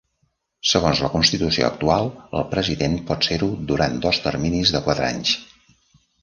Segons la Constitució actual, el President pot ser-ho durant dos terminis de quatre anys.